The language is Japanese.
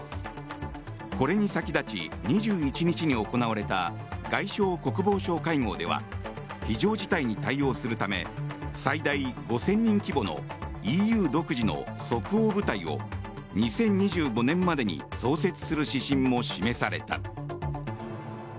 これに先立ち、２１日に行われた外相・国防相会合では非常事態に対応するため最大５０００人規模のＥＵ独自の即応部隊を２０２５年までに創設する指針も示された。